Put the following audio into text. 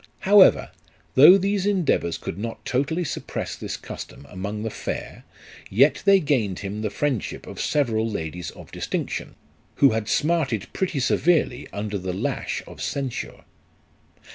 However, though these endeavours could not totally suppress this custom among the fair, yet they gained him the friendship of several ladies of distinction who had smarted pretty severely under the lash of censure.